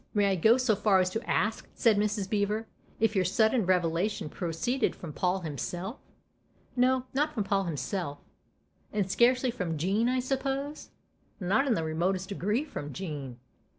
May I go so far as to ask," said Mrs. Beever, "if your sudden revelation proceeded from Paul himself?" " No not from Paul himself." "And scarcely from Jean, I suppose ?"" Not in the remotest degree from Jean."